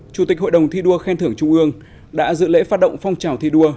chủ tịch hội đồng thi đua khen thưởng trung ương đã dự lễ phát động phong trào thi đua